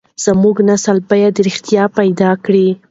زموږ نسل بايد رښتيا پيدا کړي.